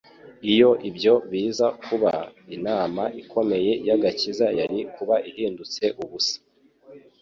Iyo ibyo biza kuba, inama ikomeye y'agakiza yari kuba ihindutse ubusa.